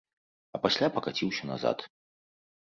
А пасля пакаціўся назад.